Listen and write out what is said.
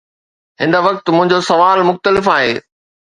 هن وقت، منهنجو سوال مختلف آهي.